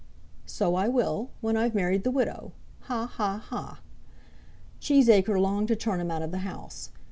"So I will, when I've married the widow. Ha, ha, ha." Cheesacre longed to turn him out of the house.